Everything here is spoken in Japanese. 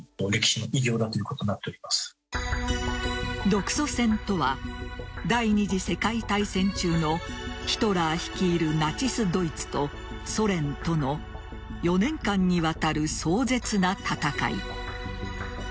独ソ戦とは第２次世界大戦中のヒトラー率いるナチス・ドイツとソ連との４年間にわたる壮絶な戦い。